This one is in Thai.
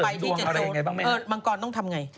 แล้วต่อไปต่อไปมังกรต้องทำไง